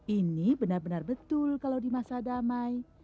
ini benar benar betul kalau di masa damai